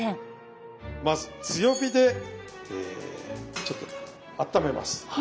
まず強火でちょっとあっためます。